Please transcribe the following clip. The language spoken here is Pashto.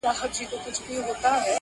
جانه ځان دي ټوله پکي وخوړ,